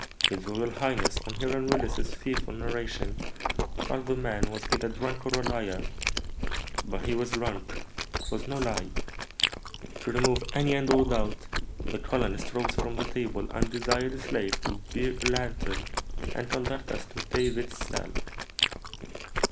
His royal highness, on hearing Willis's fearful narration, thought the man was either drunk or a liar; but he was drunk, it was no lie. To remove any and all doubt, the colonist rose from the table, and desired a slave to bear a lantern and conduct us to David's cell."